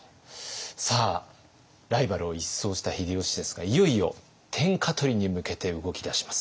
さあライバルを一掃した秀吉ですがいよいよ天下取りに向けて動き出します。